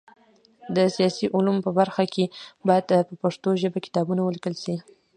د سیاسي علومو په برخه کي باید په پښتو ژبه کتابونه ولیکل سي.